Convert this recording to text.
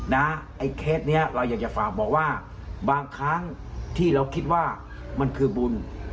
ไอ้เคสนี้เราอยากจะฝากบอกว่าบางครั้งที่เราคิดว่ามันคือบุญ